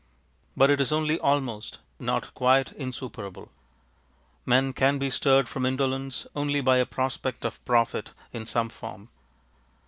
But it is only almost, not quite insuperable. Men can be stirred from indolence only by a prospect of profit in some form.